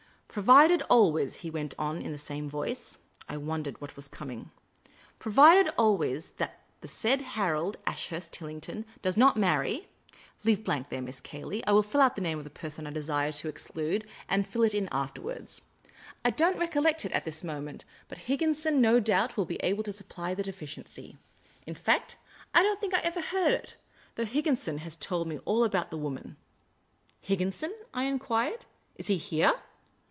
" Provided always " he went on, in the same voice. I wondered what was coming. " Provided always that the said Harold Ashurst Tillington does not marry leave a blank there, Miss Cayley. I will find out the name of the person I desire to exclude, and fill it in afterward. I don't recolkct it at this moment, but The Urbane Old Gentleman 171 Higginson, no doubt, will be able to supply the deficiency. In fact, I don't think I ever heard it ; though Higginson has told me all about the woman." " Higginson ?" I enquired. " Is he here